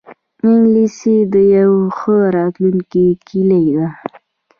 انګلیسي د یوی ښه راتلونکې کلۍ ده